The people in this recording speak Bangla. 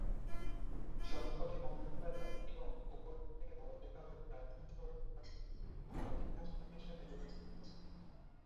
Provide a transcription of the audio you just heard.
সড়ক পথে মৌলভীবাজার এবং ওপর দিক থেকে বড়লেখা হয়ে রাজধানী শহর ঢাকাসহ দেশের বিভিন্ন স্থানের সাথে যোগাযোগ রয়েছে।